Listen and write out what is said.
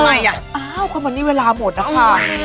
อ้าวก็วันนี้เวลาหมดนะคะ